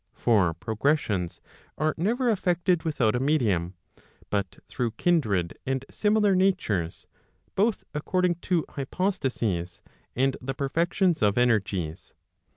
For progressions are never effected without a medium, but through kindred and similar natures, both according to hypostases, and the perfections of energies.